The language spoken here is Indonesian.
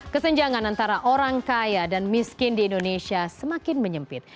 kesenjangan antara orang kaya dan miskin di indonesia semakin menyempit